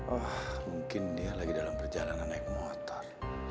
wah mungkin dia lagi dalam perjalanan naik motor